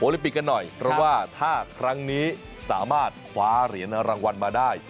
ลิปิกกันหน่อยเพราะว่าถ้าครั้งนี้สามารถคว้าเหรียญรางวัลมาได้